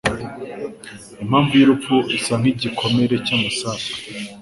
Impamvu yurupfu isa nkigikomere cyamasasu.